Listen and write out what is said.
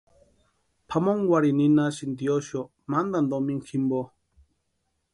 Pʼamonkwarhini ninhasïnti tiosïo mantani domingu jimpo.